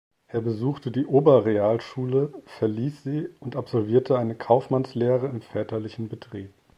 Er besuchte die Oberrealschule, verließ sie und absolvierte eine Kaufmannslehre im väterlichen Betrieb.